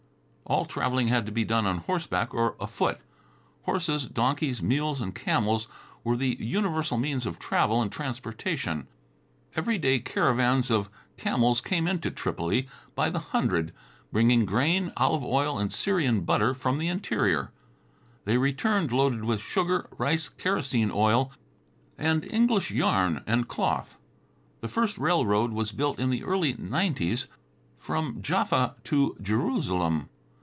All traveling had to be done on horseback or afoot. Horses, donkeys, mules and camels were the universal means of travel and transportation. Every day caravans of camels came into Tripoli by the hundred, bringing grain, olive oil and Syrian butter from the interior. They returned loaded with sugar, rice, kerosene oil, and English yarn and cloth. The first railroad was built in the early nineties from Jaffa to Jerusalem.